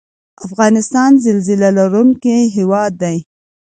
افغانستان زلزله لرونکی هیواد دی